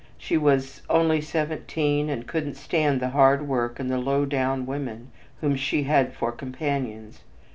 She was "only seventeen, and couldn't stand the hard work and the 'low down' women" whom she had for companions.